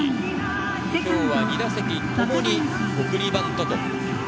今日は２打席ともに送りバント。